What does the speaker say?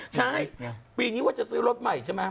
ใช่ปีนี้ว่าจะซื้อรถใหม่ใช่ไหม